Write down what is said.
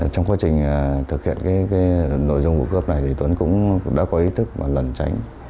trong quá trình thực hiện nội dung của cướp này tuấn cũng đã có ý thức và lần tránh